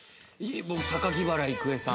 僕榊原郁恵さん。